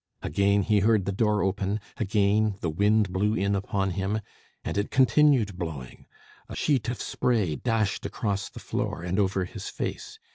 Again he heard the door open; again the wind blew in upon him, and it continued blowing; a sheet of spray dashed across the floor, and over his face.